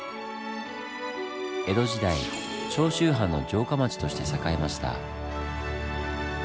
江戸時代長州藩の城下町として栄えました。